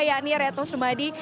yakni reto sumadi